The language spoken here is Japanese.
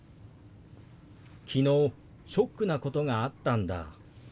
「昨日ショックなことがあったんだ」。